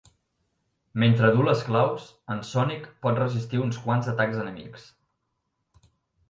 Mentre duu les claus, en Sonic pot resistir uns quants atacs enemics.